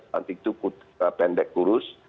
stunting itu pendek kurus